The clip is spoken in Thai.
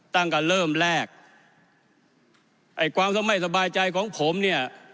ตั้งแต่เริ่มแรกไอ้ความไม่สบายใจของผมเนี่ย